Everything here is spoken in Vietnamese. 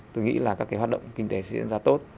tôi nghĩ là các cái hoạt động kinh tế sẽ diễn ra tốt